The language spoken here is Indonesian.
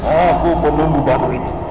aku penumbuh batu itu